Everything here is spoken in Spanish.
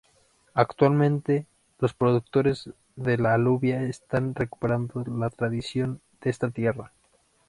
Actualmente, los productores de la alubia están recuperando la tradición de esta tierra.